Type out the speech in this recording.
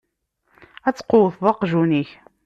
Ad tqewwteḍ aqjun-ik.